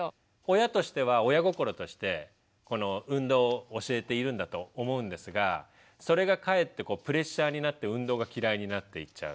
親としては親心としてこの運動を教えているんだと思うんですがそれがかえってプレッシャーになって運動が嫌いになっていっちゃう。